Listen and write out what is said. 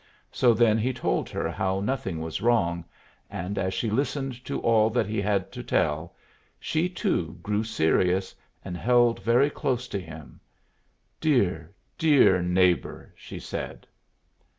So then he told her how nothing was wrong; and as she listened to all that he had to tell, she, too, grew serious, and held very close to him. "Dear, dear neighbor!" she said.